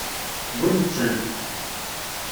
Wwint-tent.